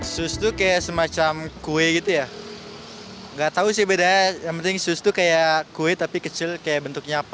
sus itu seperti kue tidak tahu bedanya yang penting sus itu seperti kue tapi kecil seperti bentuknya apa